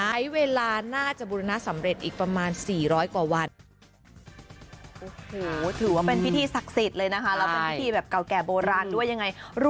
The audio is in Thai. ใช้เวลาน่าจะบูรณสำเร็จอีกประมาณ๔๐๐กว่าวัน